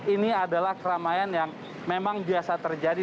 ini adalah keramaian yang memang biasa terjadi